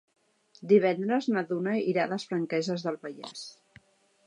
Divendres na Duna irà a les Franqueses del Vallès.